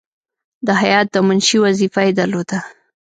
د هیات د منشي وظیفه یې درلوده.